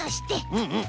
うんうん。